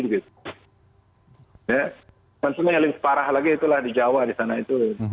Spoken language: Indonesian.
konsumen yang lebih parah lagi itulah di jawa di sana itu